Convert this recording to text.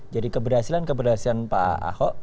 jadi keberhasilan keberhasilan pak ahok